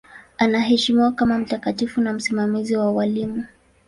Anaheshimiwa kama mtakatifu na msimamizi wa walimu.